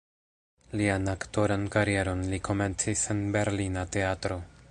Lian aktoran karieron li komencis en berlina teatro.